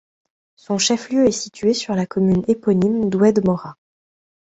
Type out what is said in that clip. Son chef-lieu est situé sur la commune éponyme d'Oued Morra.